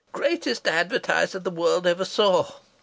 Greatest advertiser the world ever saw!